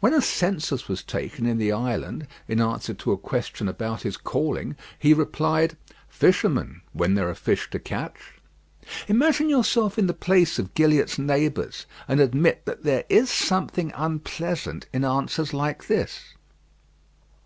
When a census was taken in the island, in answer to a question about his calling, he replied, "Fisherman; when there are fish to catch." Imagine yourself in the place of Gilliatt's neighbours, and admit that there is something unpleasant in answers like this.